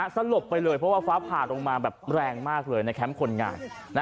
สลบไปเลยเพราะว่าฟ้าผ่าลงมาแบบแรงมากเลยในแคมป์คนงาน